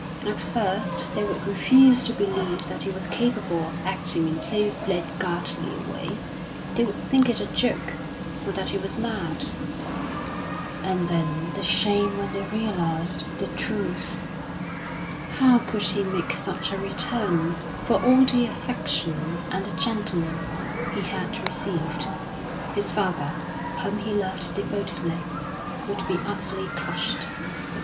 At first they would refuse to believe that he was capable of acting in so blackguardly a way; they would think it a joke, or that he was mad. And then the shame when they realised the truth! How could he make such a return for all the affection and the gentleness be had received? His father, whom he loved devotedly, would be utterly crushed.